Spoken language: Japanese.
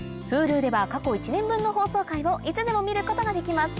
Ｈｕｌｕでは過去１年分の放送回をいつでも見ることができます